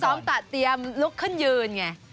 ซักซ้อมตัดเตรียมลุกขึ้นยืนไง